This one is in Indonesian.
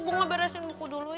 bapak beresin buku dulu ya